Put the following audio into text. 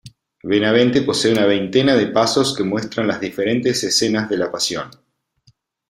Benavente posee una veintena de pasos que muestran las diferentes escenas de la pasión.